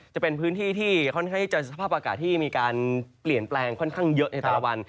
จะเป็นพื้นที่ที่ค่อนข้างที่จะสภาพอากาศที่มีการเปลี่ยนแปลงค่อนข้างเยอะในแต่ละวัน